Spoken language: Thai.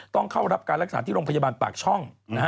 ต้องเข้ารับการรักษาที่โรงพยาบาลปากช่อง